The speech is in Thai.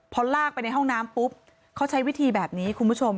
พอลากไปในห้องน้ำปุ๊บเขาใช้วิธีแบบนี้คุณผู้ชม